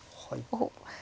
おっ。